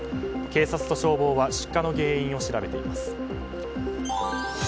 警察と消防は出火の原因を調べています。